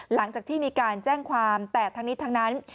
หลังจากที่มีการแจ้งความแต่ทั้งนี้ทั้งนั้น